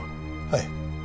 はい。